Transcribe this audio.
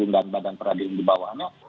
dan badan peradilan di bawahnya